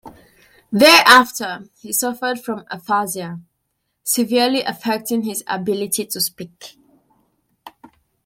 Thereafter, he suffered from aphasia, severely affecting his ability to speak.